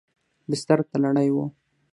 بستر تړلی و.